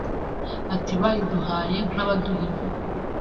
Ati “Bayiduhaye nk’abaduhima